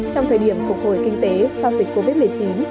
trong thời điểm phục hồi kinh tế sau dịch covid một mươi chín